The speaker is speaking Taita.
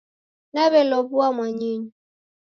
Naw'elow'ua mwanyinyu.